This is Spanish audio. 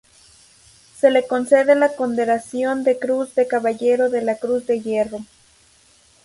Se le concede la condecoración de Cruz de Caballero de la Cruz de Hierro.